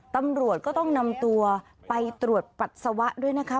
ตำรวจก็ต้องนำตัวไปตรวจปัสสาวะด้วยนะคะ